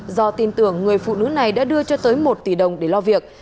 do tin tưởng người phụ nữ này đã đưa cho tới một tỷ đồng để lo việc